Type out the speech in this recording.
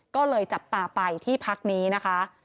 ก็เลยจับตาไปที่พักนี้นะคะ